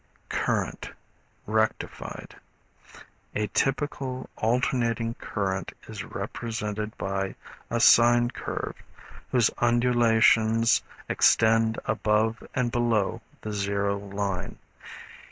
Current, Rectified. A typical alternating current is represented by a sine curve, whose undulations extend above and below the zero line.